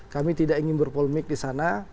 kami tidak ingin berpolemik di sana